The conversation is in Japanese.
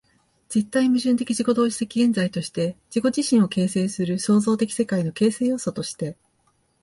絶対矛盾的自己同一的現在として、自己自身を形成する創造的世界の形成要素として、